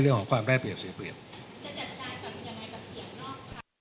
เรื่องของความได้เปรียบเสียเปรียบจะจัดการกับยังไง